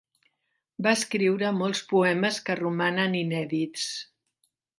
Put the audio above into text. Va escriure molts poemes que romanen inèdits.